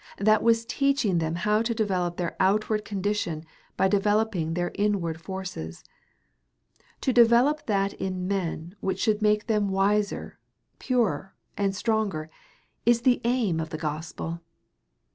That was teaching them how to develop their outward condition by developing their inward forces. To develop that in men which should make them wiser, purer, and stronger, is the aim of the gospel.